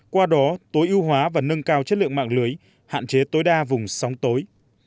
qua đó tối ưu hóa và nâng cao chất lượng mạng lưới hạn chế tối đa vùng sóng tối